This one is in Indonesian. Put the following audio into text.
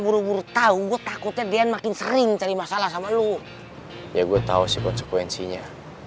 buru buru tahu gue takutnya dia makin sering cari masalah sama lo ya gue tahu sih konsekuensinya